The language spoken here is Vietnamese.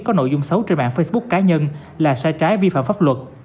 có nội dung xấu trên mạng facebook cá nhân là sai trái vi phạm pháp luật